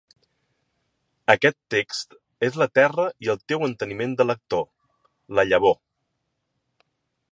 Aquest text és la terra i el teu enteniment de lector, la llavor.